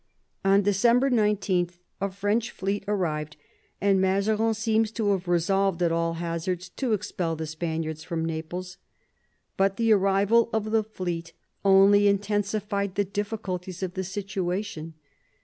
On December 19 a French fleet arrived, and Mazarin seems to have resolved at all hazards to expel the Spaniards from Naples. But the arrival of the fleet only intensi fied the difficulties of the situation.